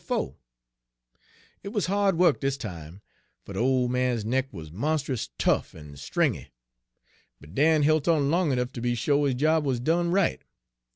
It wuz ha'd wuk dis time, fer de ole man's neck wuz monst'us tough en stringy, but Dan hilt on long ernuff ter be sho' his job wuz done right.